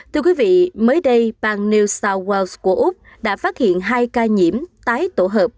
thưa quý vị mới đây bang new south walls của úc đã phát hiện hai ca nhiễm tái tổ hợp